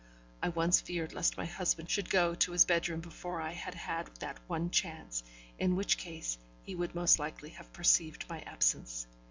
I once feared lest my husband should go to his bedroom before I had had that one chance, in which case he would most likely have perceived my absence.